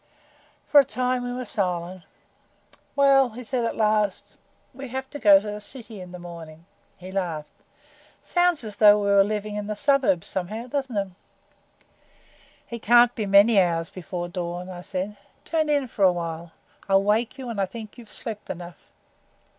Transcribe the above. For a time we were silent. "Well," he said at last, "we have to go to the city in the morning." He laughed. "Sounds as though we were living in the suburbs, somehow, doesn't it?" "It can't be many hours before dawn," I said. "Turn in for a while, I'll wake you when I think you've slept enough."